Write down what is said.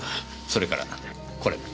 それからこれも。